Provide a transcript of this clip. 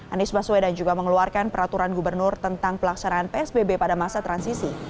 anies baswedan juga mengeluarkan peraturan gubernur tentang pelaksanaan psbb pada masa transisi